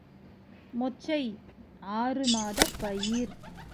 மொச்சை ஆறுமாதப் பயிர்.